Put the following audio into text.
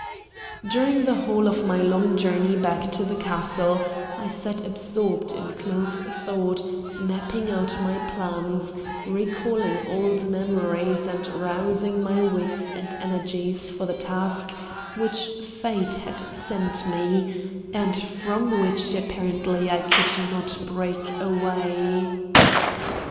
During the whole of my long journey back to the castle I sat absorbed in close thought, mapping out my plans, recalling old memories, and rousing my wits and energies for the task which Fate had set me, and from which apparently I could not break away.